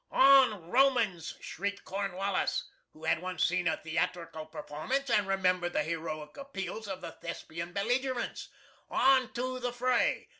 "On, Romans!" shrieked Cornwallis, who had once seen a theatrical performance and remembered the heroic appeals of the Thespian belligerents, "on to the fray!